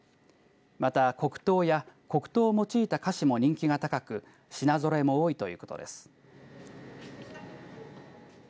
また黒糖や黒糖を用いた菓子も人気が高く品ぞろえも多いということです。